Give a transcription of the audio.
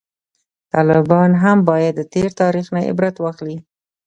طالبان هم باید د تیر تاریخ نه عبرت واخلي